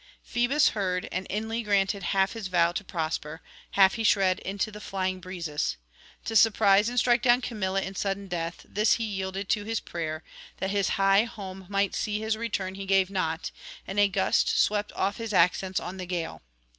Phoebus heard, and inly granted half his vow to prosper, half he shred into the flying breezes. To surprise and strike down Camilla in sudden death, this he [797 831]yielded to his prayer; that his high home might see his return he gave not, and a gust swept off his accents on the gale.